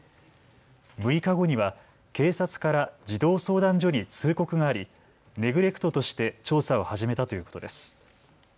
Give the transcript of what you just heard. ６日後には警察から児童相談所に通告がありネグレクトとして調査を始めたということです。